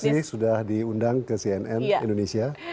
terima kasih sudah diundang ke cnn indonesia